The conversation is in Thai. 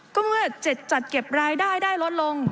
ก็เมื่อ๗จัดเก็บรายได้ได้ลดลง